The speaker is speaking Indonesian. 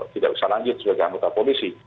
tidak bisa lanjut sebagai anggota polisi